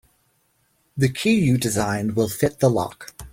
The key you designed will fit the lock.